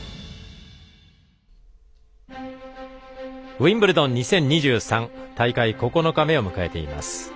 ウィンブルドン２０２３大会９日目を迎えています。